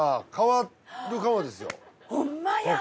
ホンマや！